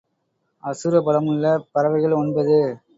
அசுர பலமுள்ள பறவைகள் ஒன்பது.